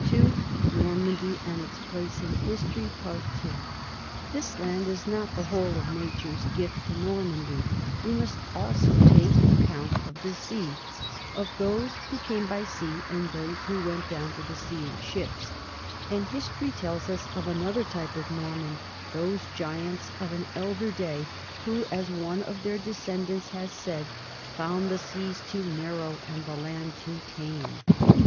55. NORMANDY IN HISTORY 13 motions of the heavenly bodies. The Norman mind is neither nebular nor hypothetical ! The land is not the whole of nature's gift to Normandy; we must also take account of the sea, of those who came by sea and those who went down to the sea in ships; and history tells us of another type of Norman, those giants of an elder day who, as one of their descendants has said, "found the seas too narrow and the land too tame."